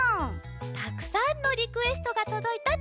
たくさんのリクエストがとどいたってききました。